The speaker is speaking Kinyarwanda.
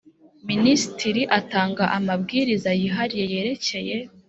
Minisitiri atanga amabwiriza yihariye yerekeye